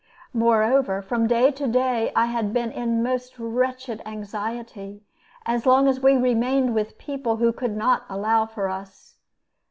Moreover, from day to day I had been in most wretched anxiety, so long as we remained with people who could not allow for us.